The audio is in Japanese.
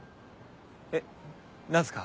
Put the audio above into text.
えっ何すか？